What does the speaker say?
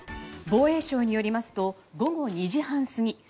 防衛省によりますと午後２時半過ぎ